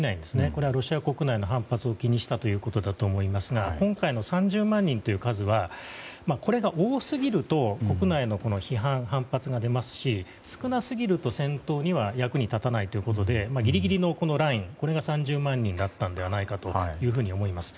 これはロシア国内の反発を気にしたんだと思いますが今回の３０万人という数はこれが多すぎると国内の批判・反発が出ますし少なすぎると、戦闘には役に立たないということでギリギリのライン、これが３０万人だったと思います。